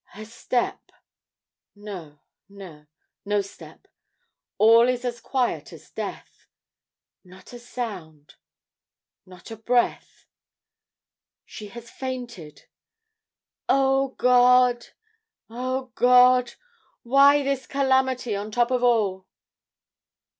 Her step no, no, no step. All is as quiet as death; not a sound, not a breath she has fainted. O God! O God! Why this calamity on top of all!"